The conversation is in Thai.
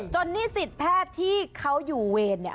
นิสิตแพทย์ที่เขาอยู่เวรเนี่ย